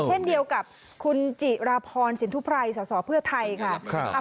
เช่นเดียวกับคุณจิราพรสินทุไพรสสเพื่อไทยค่ะ